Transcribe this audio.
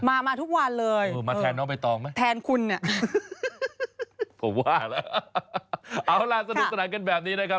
มามาทุกวันเลยเออมาแทนน้องใบตองไหมแทนคุณเนี่ยผมว่าแล้วเอาล่ะสนุกสนานกันแบบนี้นะครับ